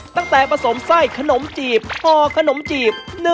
ตั้งแต่ผสมไส้ขนมจีบห่อขนมจีบ